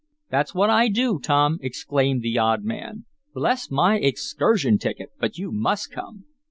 "That's what I do, Tom!" exclaimed the odd man. "Bless my excursion ticket, but you must come!"